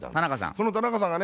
その田中さんがね